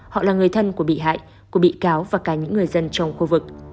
họ là người thân của bị hại của bị cáo và cả những người dân trong khu vực